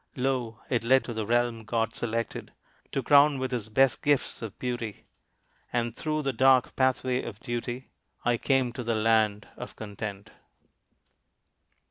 Lo! it led to the realm God selected To crown with his best gifts of beauty, And through the dark pathway of duty I came to the land of Content.